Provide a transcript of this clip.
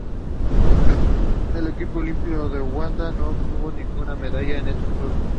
El equipo olímpico de Uganda no obtuvo ninguna medalla en estos Juegos.